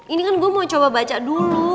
ini kan gue mau coba baca dulu